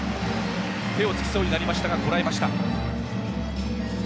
手をつきそうになりましたがこらえました。